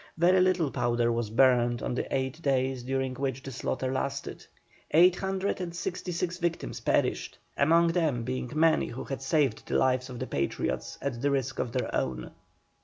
Very little powder was burned on the eight days during which the slaughter lasted. Eight hundred and sixty six victims perished, among them being many who had saved the lives of Patriots at the risk of their own.